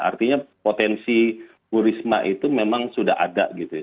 artinya potensi bu risma itu memang sudah ada gitu ya